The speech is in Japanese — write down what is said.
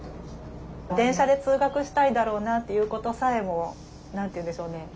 電車で通学したいだろうなっていうことさえも何て言うんでしょうね